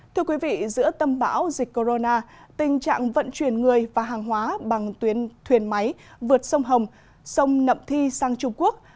thưa quý vị giữa tâm bão dịch corona tình trạng vận chuyển người và hàng hóa bằng tuyến thuyền máy vượt sông hồng sông nậm thi sang trung quốc